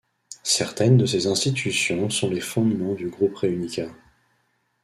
Certaines de ces institutions sont les fondements du Groupe Réunica.